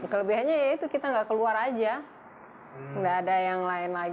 kelebihannya ya itu kita nggak keluar aja nggak ada yang lain lagi